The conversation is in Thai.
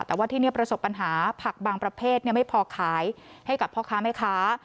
แต่ว่าที่นี่ประสบปัญหาผักบางประเภทไม่พอขายให้กับพ่อค้าแม่ค้า